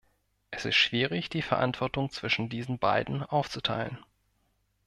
Es ist schwierig, die Verantwortung zwischen diesen beiden aufzuteilen.